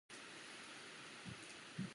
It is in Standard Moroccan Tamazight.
ⵎⴰ ⴳⵉⵖ ⵉⵔⴰ?